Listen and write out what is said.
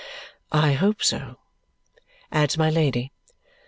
"I hope so," adds my Lady.